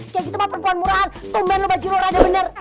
kayak gitu mah perempuan murahan tumben lu baju lu rada bener